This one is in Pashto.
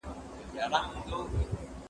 زه بايد پلان جوړ کړم؟